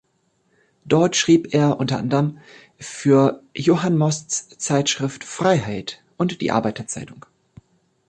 Dort schrieb er, unter anderem, für Johann Mosts Zeitschrift Freiheit und die Arbeiter-Zeitung.